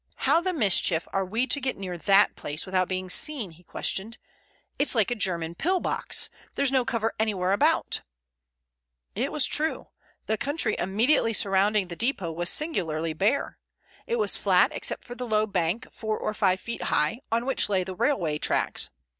"How the mischief are we to get near that place without being seen?" he questioned. "It's like a German pill box. There's no cover anywhere about." It was true. The country immediately surrounding the depot was singularly bare. It was flat except for the low bank, four or five feet high, on which lay the railway tracks.